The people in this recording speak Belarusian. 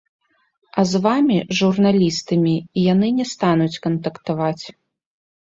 А з вамі, журналістамі, яны не стануць кантактаваць.